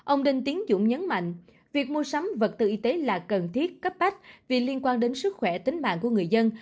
ông đinh tiến dũng nhấn mạnh việc mua sắm vật tư y tế là cần thiết cấp bách vì liên quan đến sức khỏe tính mạng của người dân